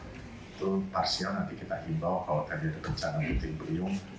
itu parsial nanti kita imbau kalau tadi ada perencanaan putri puriung